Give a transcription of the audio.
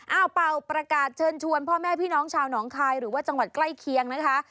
เป่าประกาศเชิญชวนพ่อแม่พี่น้องชาวหนองคายหรือว่าจังหวัดใกล้เคียงนะคะ